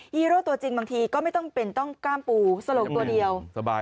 ฮีโร่ตัวจริงบางทีก็ไม่ต้องเป็นต้องกล้ามปูสลกตัวเดียวสบาย